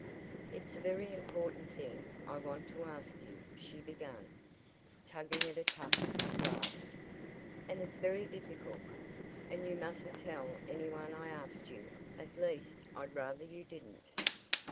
"It's a very important thing I want to ask you," she began, tugging at a tuft of grass, "and it's very difficult, and you mustn't tell any one I asked you; at least, I'd rather you didn't."